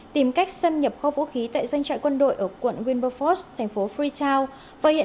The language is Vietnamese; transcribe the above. tìm cách xâm nhập kho vũ khí quân sự ở thủ đô freetown